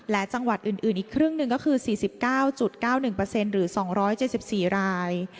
และจังหวัดอื่นอีกครึ่งหนึ่งก็คือ๔๙๙๑หรือ๒๗๔ราย